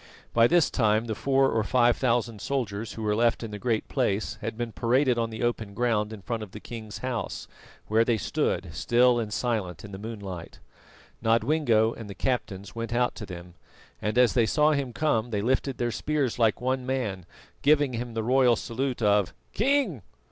By this time the four or five thousand soldiers who were left in the Great Place had been paraded on the open ground in front of the king's house, where they stood, still and silent, in the moonlight. Nodwengo and the captains went out to them, and as they saw him come they lifted their spears like one man, giving him the royal salute of "King!"